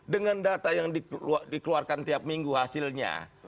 dengan data yang dikeluarkan tiap minggu hasilnya